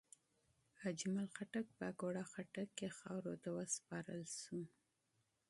اجمل خټک په اکوړه خټک کې خاورو ته وسپارل شو.